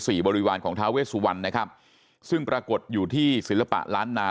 บริวารของท้าเวสุวรรณนะครับซึ่งปรากฏอยู่ที่ศิลปะล้านนา